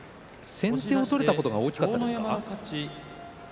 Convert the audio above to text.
先手を取れたことが大きかったですか？